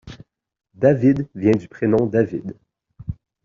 David vient du prénom David.